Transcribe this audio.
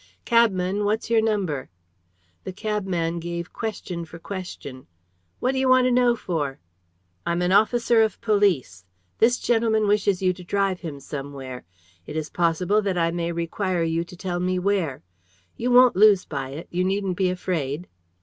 "Cabman, what's your number?" The cabman gave question for question. "What do you want to know for?" "I'm an officer of police. This gentleman wishes you to drive him somewhere. It is possible that I may require you to tell me where. You won't lose by it; you needn't be afraid."